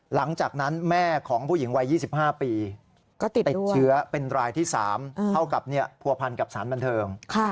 หลังจากนั้นแม่ของผู้หญิงวัย๒๕ปีก็ติดเชื้อเป็นรายที่๓เท่ากับผัวพันกับสารบันเทิง